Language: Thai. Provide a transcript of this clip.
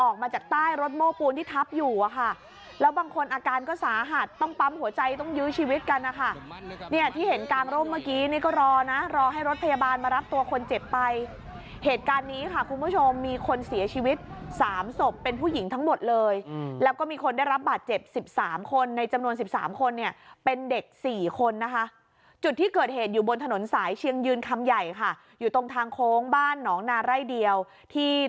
กันนะคะเนี่ยที่เห็นกลางร่วมเมื่อกี้นี่ก็รอนะรอให้รถพยาบาลมารับตัวคนเจ็บไปเหตุการณ์นี้ค่ะคุณผู้ชมมีคนเสียชีวิตสามสบเป็นผู้หญิงทั้งหมดเลยแล้วก็มีคนได้รับบาดเจ็บสิบสามคนในจำนวนสิบสามคนเนี่ยเป็นเด็กสี่คนนะคะจุดที่เกิดเหตุอยู่บนถนนสายเชียงยืนคำใหญ่ค่ะอยู่ตรงทางโค้งบ้านหนองนาร่ายเดียวท